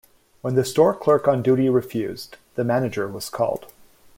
When the store clerk on duty refused, the manager was called.